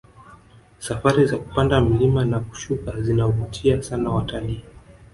safari za kupanda mlima na kushuka zinavutia sana watalii